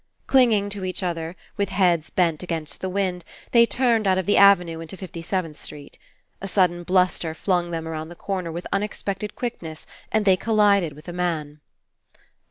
Clinging to each other, with heads bent against the wind, they turned out of the Ave nue into Fifty seventh Street. A sudden bluster flung them around the corner with unexpected quickness and they collided with a man.